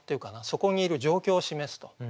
そこにいる状況を示すと。